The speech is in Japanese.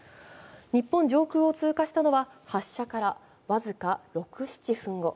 日本上空を通過したのは発射から僅か６７分後。